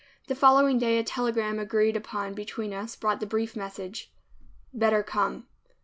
The following day a telegram agreed upon between us brought the brief message, "Better come."